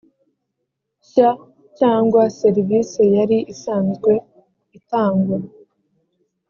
nshya cyangwa serivisi yari isanzwe itangwa